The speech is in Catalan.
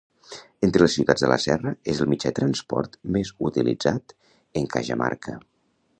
Entre les ciutats de la serra, és el mitjà de transport més utilitzat en Cajamarca.